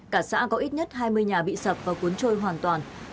cả xã có ít nhất hai mươi nhà bị sập và cuốn trôi hoàn toàn